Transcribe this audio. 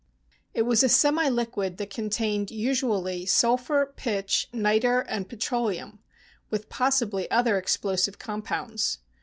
It was a semi liquid that contained, usually, sul phur, pitch, nitre, and petroleum, with possibly other explosive compounds.